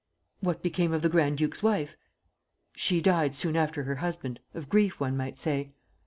"What became of the grand duke's wife?" "She died soon after her husband, of grief, one might say."